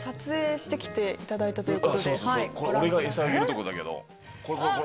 俺が餌あげるとこだけど。